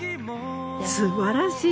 すばらしい。